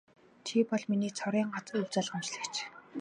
Чи бол миний цорын ганц өв залгамжлагч.